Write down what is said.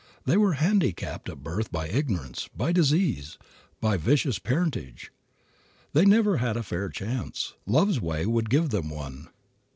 They were handicapped at birth by ignorance, by disease, by vicious parentage. They never had a fair chance. Love's way would give them one.